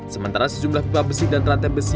sementara sejumlah pipa besi dan rantai besi